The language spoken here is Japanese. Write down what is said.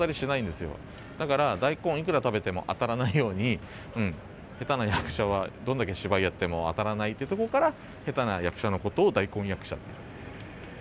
だから大根をいくら食べてもあたらないようにうん下手な役者はどんだけ芝居やっても当たらないってとこから下手な役者のことを「大根役者」って呼んでる。